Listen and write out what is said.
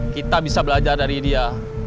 kita bisa belajar dari dia